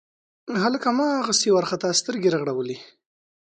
هلک هماغسې وارخطا سترګې رغړولې.